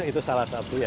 itu salah satu ya